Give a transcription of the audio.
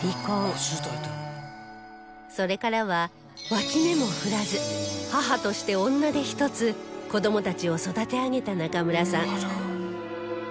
それからは脇目も振らず母として女手ひとつ子供たちを育て上げた中村さん